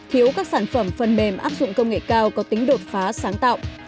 thiếu các sản phẩm phần mềm áp dụng công nghệ cao có tính đột phá sáng tạo